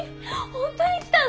本当に来たの？